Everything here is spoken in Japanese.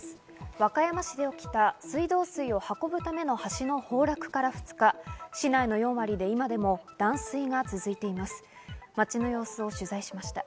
和歌山市で起きた水道水を運ぶための橋の崩落から２日、市内の４割で今でも断水が続いています。